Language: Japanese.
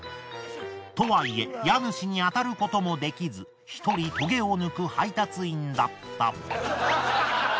とはいえ家主にあたることもできず一人トゲを抜く配達員だった。